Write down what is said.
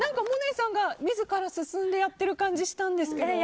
萌音さんが自ら進んでやってる感じがしたんですが。